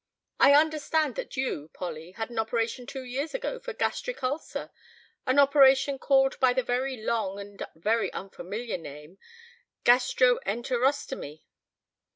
I understand that you, Polly, had an operation two years ago for gastric ulcer, an operation called by the very long and very unfamiliar name, gastroenterostomy.